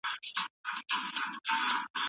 زموږ ښوونه او روزنه ولې وروسته پاتې ده؟